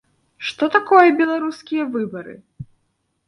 Што такое беларускія выбары?